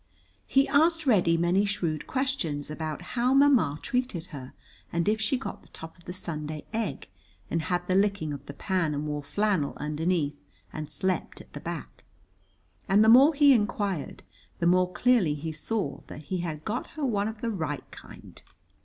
He asked Reddy many shrewd questions about how Ma ma treated her, and if she got the top of the Sunday egg and had the licking of the pan and wore flannel underneath and slept at the back; and the more he inquired, the more clearly he saw that he had got her one of the right kind.